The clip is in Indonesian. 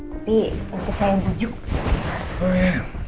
tapi nanti saya jujur